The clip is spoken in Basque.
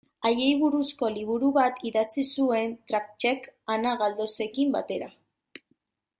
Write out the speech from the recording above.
Haiei buruzko liburu bat idatzi zuen Tranchek, Ana Galdosekin batera.